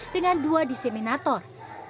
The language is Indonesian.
dengan dua diseminator